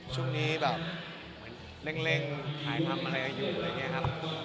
ช่วงนี้แบบเล็งถ่ายทำอะไรอยู่อะไรอย่างเงี้ยครับ